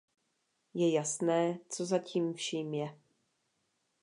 Je jasné, co za tím vším je.